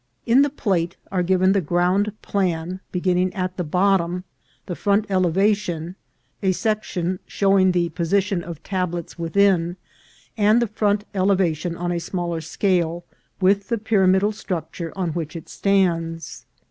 In the plate are given the ground plan (beginning at the bot tom), the front elevation, a section showing the posi tion of tablets within, and the front elevation on a smaller scale, with the pyramidal structure on which it stands.